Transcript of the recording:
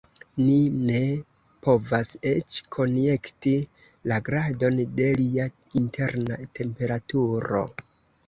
Ni ne povas eĉ konjekti la gradon de lia interna temperaturo.